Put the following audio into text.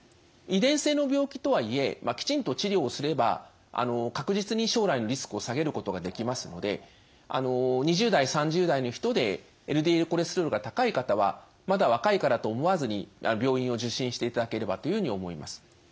遺伝性の病気とはいえきちんと治療をすれば確実に将来のリスクを下げることができますので２０代３０代の人でＬＤＬコレステロールが高い方はまだ若いからと思わずに病院を受診していただければというふうに思います。